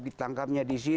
ditangkapnya di sini